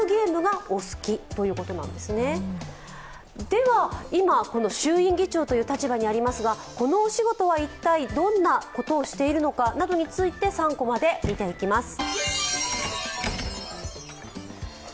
では今、衆院議長という立場にありますがこのお仕事は一体どんなことをしているのかなどについて３コマで見ていきます。